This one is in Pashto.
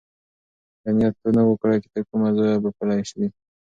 ده نیت نه و کړی چې تر کومه ځایه به پلی ځي.